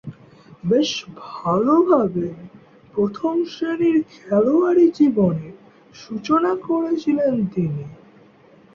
বেশ ভালোভাবেই প্রথম-শ্রেণীর খেলোয়াড়ী জীবনের সূচনা করেছিলেন তিনি।